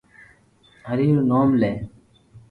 ھري رو نوم لي